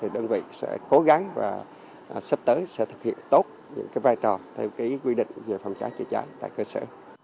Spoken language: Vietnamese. đơn vị sẽ cố gắng và sắp tới sẽ thực hiện tốt những vai trò theo quy định về phòng cháy chữa cháy tại cơ sở